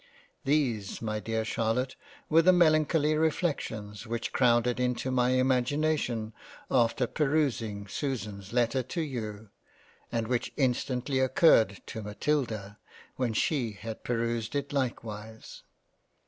These my dear Charlotte were the melancholy reflections which crowded into my imagination after perusing Susan's letter to you, and which instantly occurred to Matilda when she had perused it likewise.